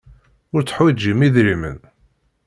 Ur tteḥwijin idrimen.